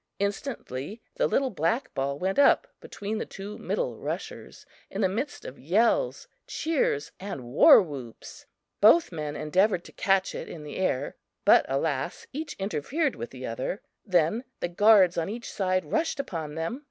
Instantly the little black ball went up between the two middle rushers, in the midst of yells, cheers and war whoops. Both men endeavored to catch it in the air; but alas! each interfered with the other; then the guards on each side rushed upon them.